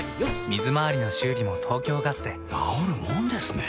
水まわりの修理も東京ガスでなおるもんですね